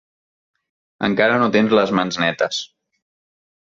Encara no tens les mans netes.